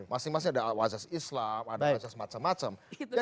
masing masing ada wajah islam ada wajah macam macam